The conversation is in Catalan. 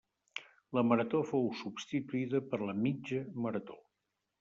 La marató fou substituïda per la mitja marató.